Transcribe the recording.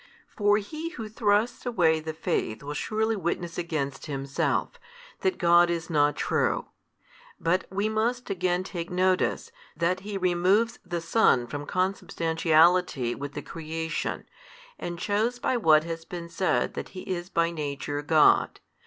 For he who thrusts away the faith will surely witness against himself, that God is not true. But we must again take notice, that he removes the Son from consubstantiality with the creation, and shews by what has been said that He is by Nature God.